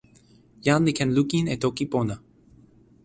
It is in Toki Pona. jan li ken lukin e toki pona.